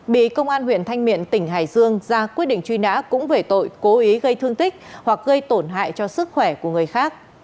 bị công an huyện thanh miện tỉnh hải dương ra quyết định truy nã cũng về tội cố ý gây thương tích hoặc gây tổn hại cho sức khỏe của người khác